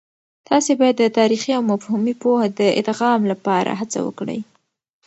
تاسې باید د تاريخي او مفهومي پوهه د ادغام لپاره هڅه وکړئ.